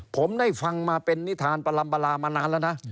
ผมได้ฟังมาเป็นนิธานปรำประรามมานานและนะ